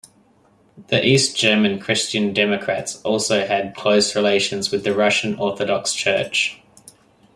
The East German Christian Democrats also had close relations with the Russian Orthodox Church.